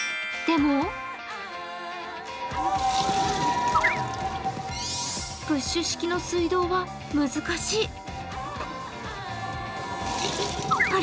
でもプッシュ式の水道は難しい。